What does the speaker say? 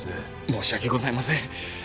申し訳ございません。